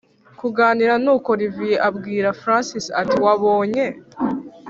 kuganira nuko olivier abwira francis ati”wabonye